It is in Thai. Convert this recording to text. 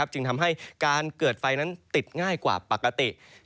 จึงทำให้การเกิดไฟนั้นติดง่ายกว่าปกติ